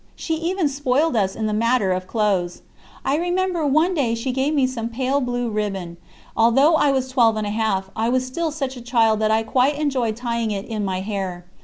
She even spoiled us in the matter of clothes. I remember one day she gave me some pale blue ribbon; although I was twelve and a half, I was still such a child that I quite enjoyed tying it in my hair.